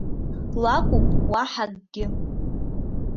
Лакәуп, уаҳа акгьы.